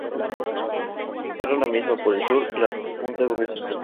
Cierra la misma, por el sur, la punta Gruesa.